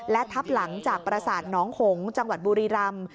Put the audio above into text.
และทับหลังจากประสาทน้องหงษ์จังหวัดบุรีรำ